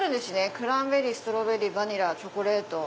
クランベリーストロベリーバニラチョコレート。